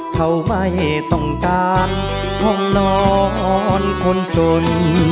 เขาไม่ต้องการห้องนอนคนจน